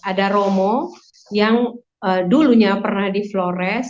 ada romo yang dulunya pernah di flores